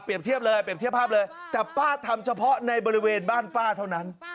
เทียบเลยเปรียบเทียบภาพเลยแต่ป้าทำเฉพาะในบริเวณบ้านป้าเท่านั้น